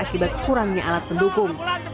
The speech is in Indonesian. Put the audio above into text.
kurangnya alat pendukung